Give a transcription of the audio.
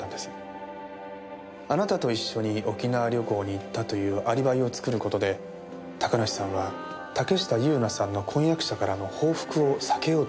あなたと一緒に沖縄旅行に行ったというアリバイを作る事で高梨さんは竹下友那さんの婚約者からの報復を避けようと思っていた。